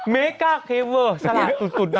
เมก้าเคเวอร์สลัดสุด